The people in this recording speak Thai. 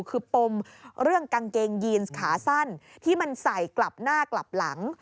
คือปมเรื่องกางเกงยีนขาสั้นที่มันใส่กลับหน้ากลับหลัง